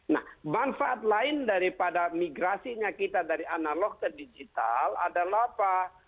nah manfaat lain daripada migrasinya kita dari analog ke digital adalah apa